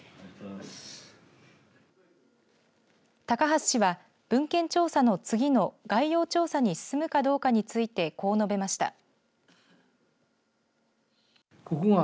高橋氏は文献調査の次の概要調査に進むかどうかについてこう述べました。